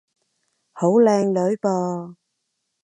好靚女噃